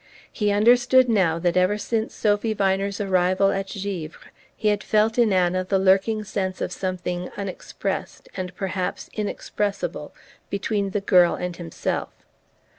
He understood now that ever since Sophy Viner's arrival at Givre he had felt in Anna the lurking sense of something unexpressed, and perhaps inexpressible, between the girl and himself...